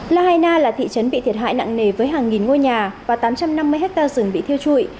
lahaina là thị trấn bị thiệt hại nặng nề với hàng nghìn ngôi nhà và tám trăm năm mươi hectare rừng bị thiêu trụi